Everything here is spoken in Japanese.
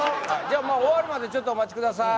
終わるまでちょっとお待ちください